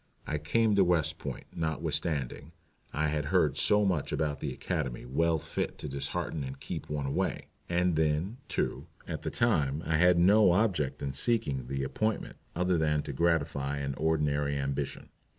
I came to West Point, notwithstanding I had heard so much about the Academy well fit to dishearten and keep one away. And then, too, at the time I had no object in seeking the appointment other than to gratify an ordinary ambition.